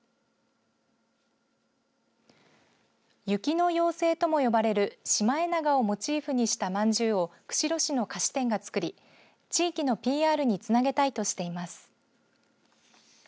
雪の妖精とも呼ばれるシマエナガをモチーフにしたまんじゅうを釧路市の菓子店がつくり地域のＰＲにつなげたいとしています。